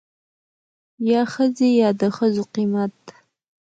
يا ښځې يا دښځو قيمت.